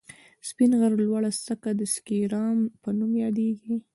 د سپين غر لوړه څکه د سيکارام په نوم ياديږي.